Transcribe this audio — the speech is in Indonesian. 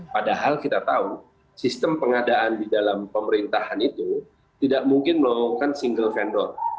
padahal kita tahu sistem pengadaan di dalam pemerintahan itu tidak mungkin melakukan single vendor